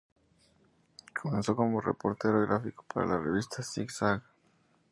Comenzó como reportero gráfico para la revista "Zig-Zag".